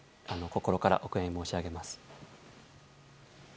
心からお悔やみ申し上げます。